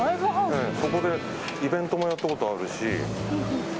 そこでイベントもやったことあるし。